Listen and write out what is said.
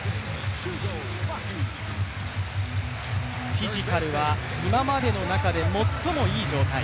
フィジカルは今までの中で最もいい状態。